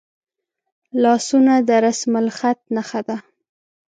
لاسونه د رسمالخط نښه ده